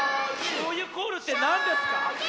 しょうゆコールってなんですか？